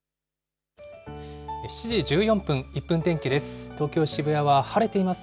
７時１４分、１分天気です。